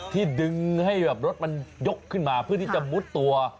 ดึงให้แบบรถมันยกขึ้นมาเพื่อที่จะมุดตัว